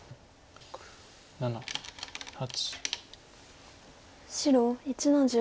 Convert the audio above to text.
６７８。